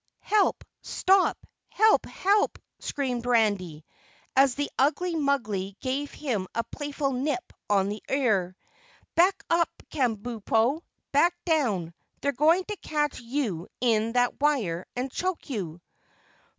"Help! Stop! Help! Help!" screamed Randy, as the ugly Mugly gave him a playful nip on the ear. "Back up, Kabumpo, back down. They're going to catch you in that wire and choke you."